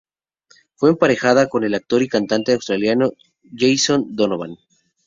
Fue emparejada con el actor y cantante australiano Jason Donovan.